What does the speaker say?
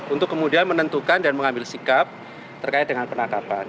untuk kemudian menentukan dan mengambil sikap terkait dengan penangkapan